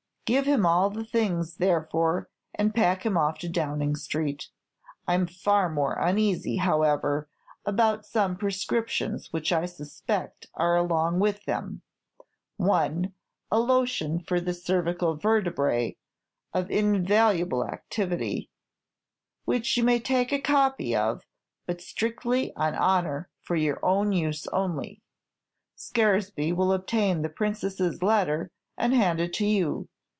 Give him all the things, therefore, and pack him off to Downing Street. I'm far more uneasy, however, about some prescriptions which I suspect are along with them. One, a lotion for the cervical vertebrae, of invaluable activity, which you may take a copy of, but strictly, on honor, for your own use only. Scaresby will obtain the Princess's letter, and hand it to you.